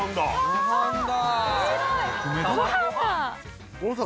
ご飯だ！